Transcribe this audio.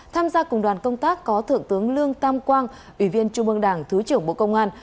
tham gia cùng đoàn công tác có thượng tướng lương tam quang ủy viên trung ương đảng thứ trưởng bộ công an